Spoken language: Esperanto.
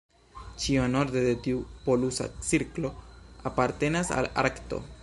Ĉio norde de tiu polusa cirklo apartenas al Arkto.